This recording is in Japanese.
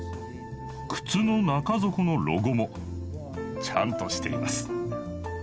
靴の中底のロゴもちゃんとしています。